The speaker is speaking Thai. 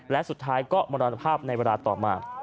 และสุดท้ายก็มรณภาพในเวลาต่อมา